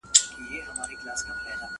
د نامحرمو دلالانو غدۍ!.